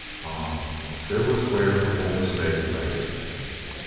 Ah, there was where the whole mistake lay.